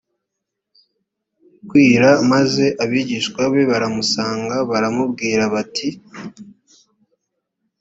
kwira maze abigishwa be baramusanga baramubwira bati